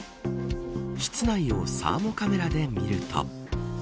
室内をサーモカメラで見ると。